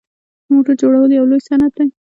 د موټرو جوړول یو لوی صنعت دی.